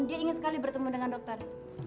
dia ingin sekali bertemu dengan dokter